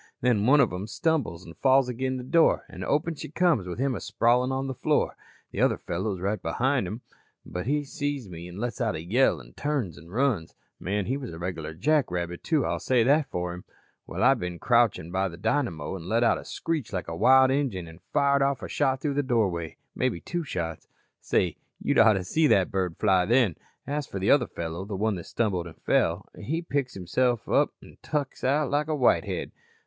"Then one of 'em stumbles an' falls agin the door an' open she comes with him a sprawlin' on the floor. The other fellow is right behin' him but he sees me an' lets out a yell an' turns an' runs. Man, he was a regular jackrabbit, too. I'll say that for 'im. "Well, I been crouchin' by the dynamo an' let out a screech like wild Injun an' fired off a shot through the doorway. Maybe two shots. Say, you'd oughta seen that bird fly then. As for the other fellow, the one that stumbled an' fell, he picks himself up an' tuk out like a whitehead.